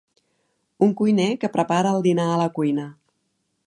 Un cuiner que prepara el dinar a la cuina.